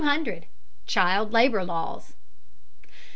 CHILD LABOR LAWS.